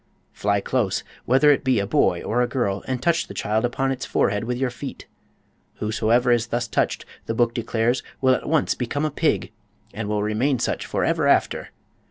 Fly close, whether it be a boy or a girl, and touch the child upon its forehead with your feet. Whosoever is thus touched, the book declares, will at once become a pig, and will remain such forever after.